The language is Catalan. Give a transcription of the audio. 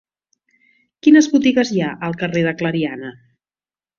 Quines botigues hi ha al carrer de Clariana?